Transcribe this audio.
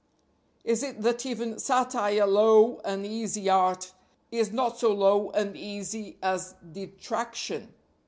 is it that even Satire, low and easy art, is not so low and easy as Detraction?